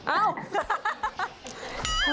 เอ้า